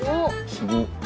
すごっ。